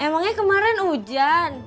emangnya kemarin hujan